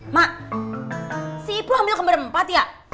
mak si ibu hamil kembar empat ya